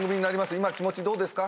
今気持ちどうですか？